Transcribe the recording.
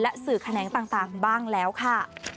สื่อแขนงต่างบ้างแล้วค่ะ